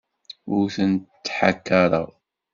Ur tent-ttḥakaṛeɣ.